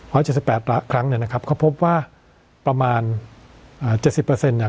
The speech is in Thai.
เจ็ดสิบแปดละครั้งเนี่ยนะครับเขาพบว่าประมาณอ่าเจ็ดสิบเปอร์เซ็นต์เนี่ย